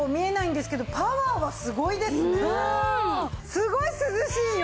すごい涼しいよ